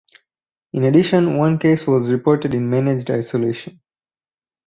In addition one case was reported in managed isolation.